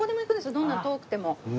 どんな遠くても。